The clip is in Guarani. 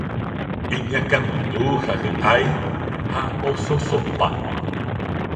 iñakãnundu ha hy'ái ha ososopa